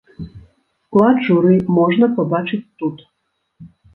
Склад журы можна пабачыць тут.